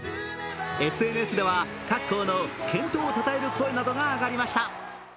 ＳＮＳでは各校の健闘をたたえる声などが上がりました。